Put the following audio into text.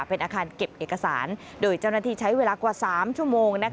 เป็นอาคารเก็บเอกสารโดยเจ้าหน้าที่ใช้เวลากว่า๓ชั่วโมง